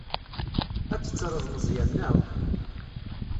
Ad tettreḍ Meẓyan, naɣ?